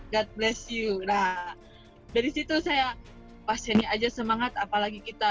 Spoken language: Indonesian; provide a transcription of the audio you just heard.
god bless you nah dari situ saya pasiennya aja semangat apalagi kita